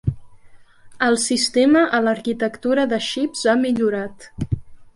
El sistema a l'arquitectura de xips ha millorat.